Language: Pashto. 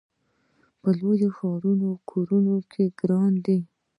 په لویو ښارونو کې کورونه ګران دي.